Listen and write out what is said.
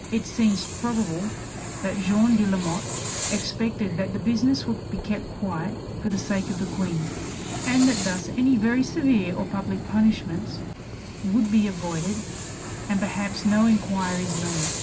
It seems probable that Jeanne de Lamotte expected that the business would be kept quiet for the sake of the Queen, and that thus any very severe or public punishments would be avoided and perhaps no inquiries made.